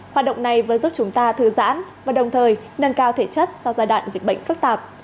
hoạt động này vừa giúp chúng ta thư giãn và đồng thời nâng cao thể chất sau giai đoạn dịch bệnh phức tạp